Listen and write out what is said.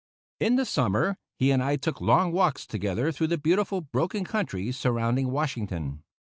In the summer he and I took long walks together through the beautiful broken country surrounding Washington.